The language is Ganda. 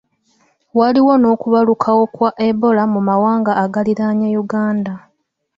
Waliwo n'okubalukawo kwa Ebola mu mawanga agaliraanye Uganda.